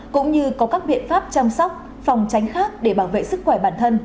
cũng như có các biện pháp chăm sóc phòng tránh khác để bảo vệ sức khỏe bản thân